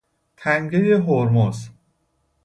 تنگهی هرمز